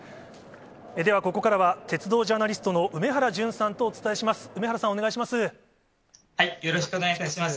ではここからは、鉄道ジャーナリストの梅原淳さんとお伝えします。